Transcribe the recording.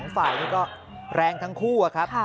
ฝ่ายนี้ก็แรงทั้งคู่ครับ